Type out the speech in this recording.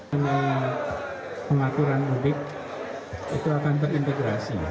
karena pengaturan mudik itu akan terintegrasi